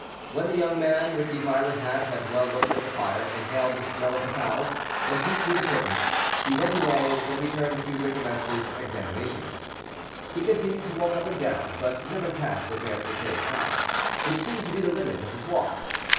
When the young man with the violet hat had well looked at the fire, inhaled the smell of the fowls, and peeped through the curtains, he went away, then returned to recommence his examinations. He continued to walk up and down, but never passed Robert Briquet's house, which seemed to be the limit of his walk.